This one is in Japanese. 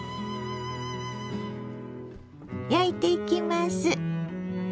焼いていきます。